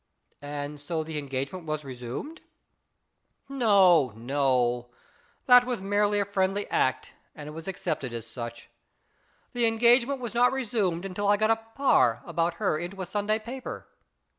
" And so the engagement was resumed ?"" No, no ; that was merely a friendly act, and it was accepted as such. The engagement was not resumed until I got a ' par ' about her into a Sunday paper.